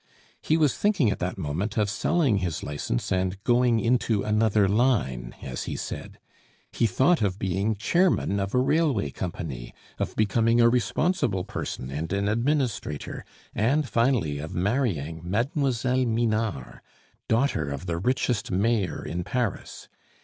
He was thinking at that moment of selling his license and "going into another line," as he said. He thought of being chairman of a railway company, of becoming a responsible person and an administrator, and finally of marrying Mlle. Minard, daughter of the richest mayor in Paris.